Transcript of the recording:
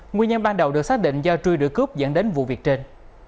nguyên nhân ban đầu được xác định do truy đuổi cướp dẫn đến vụ việc trên